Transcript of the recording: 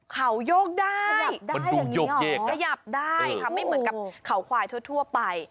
เขาโยกได้ได้อย่างนี้หรอขยับได้ค่ะไม่เหมือนกับเขาควายทั่วไป